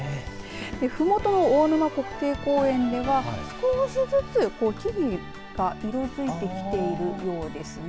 ふもとの大沼国定公園では少しずつ木々が色づいてきているようですね。